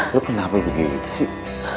lu kenapa begini sih